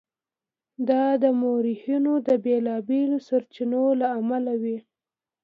دا د مورخینو د بېلابېلو سرچینو له امله وي.